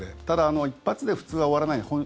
ただ、１発で普通は終わらない。